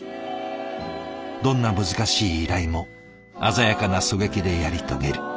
どんな難しい依頼も鮮やかな狙撃でやり遂げる。